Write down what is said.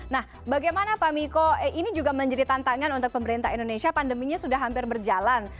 nah bagaimana pak miko ini juga menjadi tantangan untuk pemerintah indonesia pandeminya sudah hampir berjalan